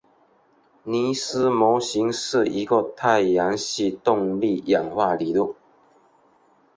尼斯模型是一个太阳系动力演化理论。